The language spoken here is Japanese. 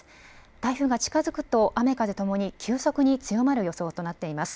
台風が近づくと雨風ともに急速に強まる予想となっています。